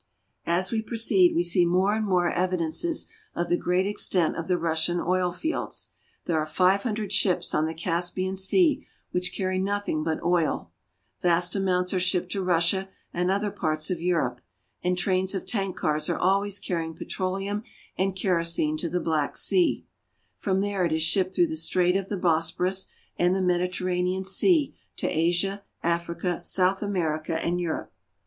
As we proceed, we see more and more evidences of the great extent of the Russian oil fields. There are five hun dred ships on the Caspian Sea which carry nothing but oil ; vast amounts are shipped to Russia and other parts of Europe ; and trains of tank cars are always carrying petro leum and kerosene to the Black Sea ; from there it is shipped through the strait of the Bosporus and the Mediter ranean Sea to Asia, Africa, South America, and Europe.